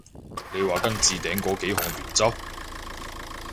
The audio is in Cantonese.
你話跟置頂嗰幾項原則？